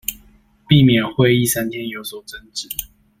避免會議三天有所爭執